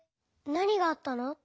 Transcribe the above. なにがあったの？